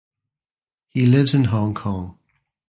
He lives in Hong Kong.